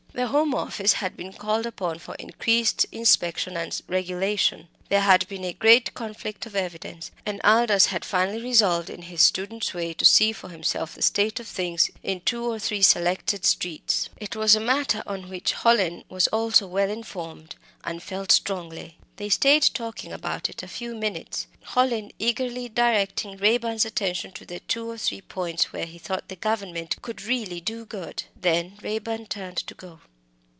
The Home Office had been called upon for increased inspection and regulation; there had been a great conflict of evidence, and Aldous had finally resolved in his student's way to see for himself the state of things in two or three selected streets. It was a matter on which Hallin was also well informed, and felt strongly. They stayed talking about it a few minutes, Hallin eagerly directing Raeburn's attention to the two or three points where he thought the Government could really do good. Then Raeburn turned to go.